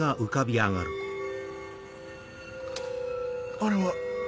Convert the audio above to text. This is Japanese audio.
あれは。